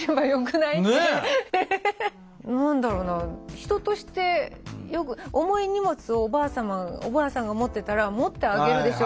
人としてよく重い荷物をおばあさんが持ってたら持ってあげるでしょ？